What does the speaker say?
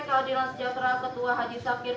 keadilan sejahtera ketua haji safir